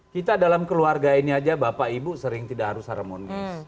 kita dalam keluarga ini aja bapak ibu sering tidak harus harmonis